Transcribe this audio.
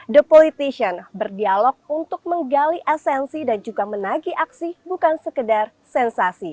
the politician berdialog untuk menggali esensi dan juga menagi aksi bukan sekedar sensasi